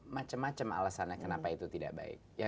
macem macem alasannya kenapa itu tidak baik